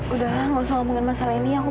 udah lah gak usah ngomongin masalah ini aku mohon